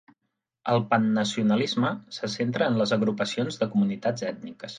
El pannacionalisme se centra en les agrupacions de comunitats ètniques.